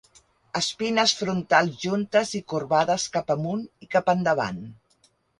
Espines frontals juntes i corbades cap amunt i cap endavant.